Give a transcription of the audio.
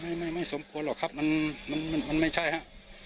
ไม่ไม่ไม่สมควรหรอกครับมันมันมันมันไม่ใช่ฮะ